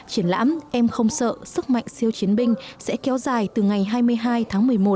triển lãm em không sợ sức mạnh siêu chiến binh sẽ kéo dài từ ngày hai mươi hai tháng một mươi một